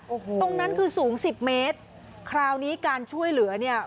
โอ้โหตรงนั้นคือสูงสิบเมตรคราวนี้การช่วยเหลือเนี่ย